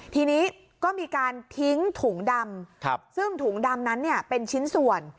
ทีนี้ก็มีการทิ้งถุงดำซึ่งถุงดำนั้นเป็นชิ้นส่วน